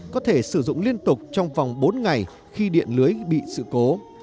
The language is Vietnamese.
có thể sử dụng liên tục trong vòng bốn ngày khi điện lưới bị sự cố